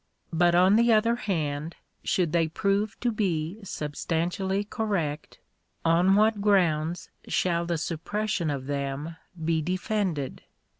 But, on the other hand, should they prove to be substantially correct, on what grounds shall the suppression of them be defended